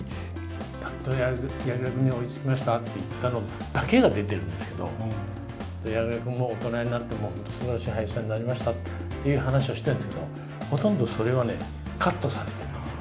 やっと柳楽君に追いつきましたって言ったのだけが出てるんですけど、柳楽君も大人になって、すばらしい俳優さんになりましたっていう話をしてるんですけど、ほとんどそれはね、カットされてるんですよ。